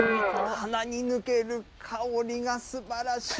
鼻に抜ける香りがすばらしい！